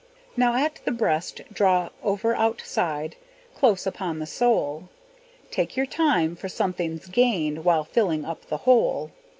Now at the breast, draw over outside, Close upon the sole; Take your time, for something's gained, While filling up the hole.